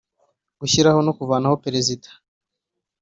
Gushyiraho no kuvanaho Perezida